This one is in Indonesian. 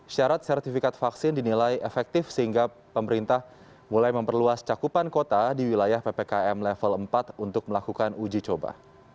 syarat sertifikat vaksin dinilai efektif sehingga pemerintah mulai memperluas cakupan kota di wilayah ppkm level empat untuk melakukan uji coba